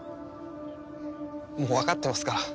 もうわかってますから。